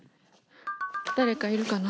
誰かいるかな。